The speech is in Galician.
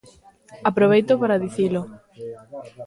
Aproveito para dicilo.